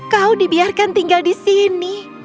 kau dibiarkan tinggal di sini